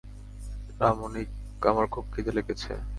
রামনিক, আমার খুব ক্ষিদে লেগেছে!